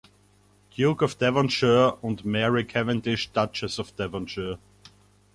Duke of Devonshire, und Mary Cavendish, Duchess of Devonshire.